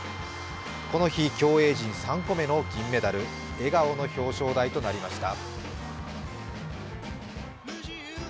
この日、競泳陣３個目の銀メダル、笑顔の表彰台となりました。